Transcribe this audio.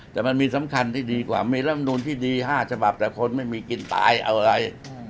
แต่มันมีสำคัญที่ดีกว่ามีลำนูนที่ดี๕ฉบับแต่คนไม่มีกินตายเอาอะไร